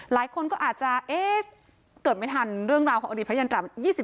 หลายคนก็อาจจะเอ๊ะเกิดไม่ทันเรื่องราวของอดีตพระยันตระ๒๕